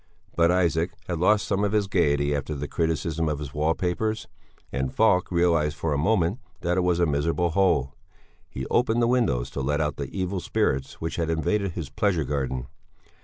But Isaac had lost some of his gaiety after the criticism of his wallpapers, and Falk realized for a moment that it was a miserable hole. He opened the windows to let out the evil spirits which had invaded his pleasure garden.